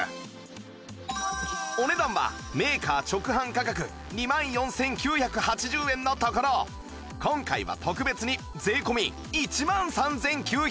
お値段はメーカー直販価格２万４９８０円のところ今回は特別に税込１万３９８０円